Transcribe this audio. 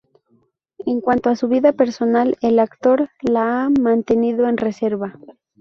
En cuanto a su vida personal, el actor la ha mantenido en reserva.